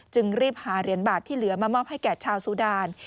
รีบหาเหรียญบาทที่เหลือมามอบให้แก่ชาวสุดาน